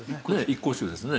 一向宗ですね。